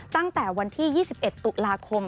ตั้งแต่วันที่๒๑ตุลาคม